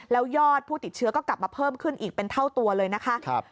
แล้วยอดผู้ติดเชื้อก็กลับมาเพิ่มขึ้นอีกเป็นเท่าตัวเลยนะคะ